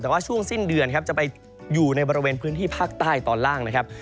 แต่ว่าช่วงสิ้นเดือนครับจะไปอยู่ในบริเวณพื้นที่ภาคใต้ตอนล่างนะครับ